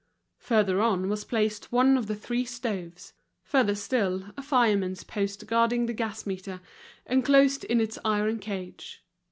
Further on was placed one of the three stoves; further still, a fireman's post guarding the gas meter, enclosed in its iron cage.